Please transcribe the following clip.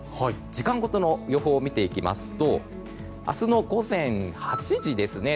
時間ごとの予報を見ていきますと明日の午前８時ですね。